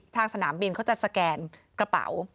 สนามบินเขาจะสแกนกระเป๋า